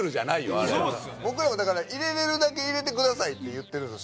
あれ僕らもだから入れれるだけ入れてくださいって言ってるんですよ